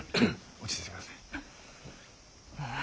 落ち着いてください。